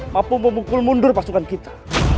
mampu memukul mundur pasukan kita